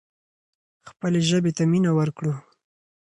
خپلې ژبې ته مینه ورکړو.